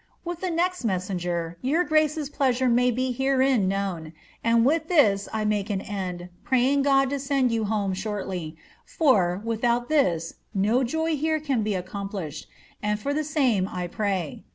With the next messenger, your grace's pleasure may be herein known; and with this I make an end, pxajring God to send yon home ibortly ; fi>r, without this, no joy here can be accomplished, and for the same I pmy.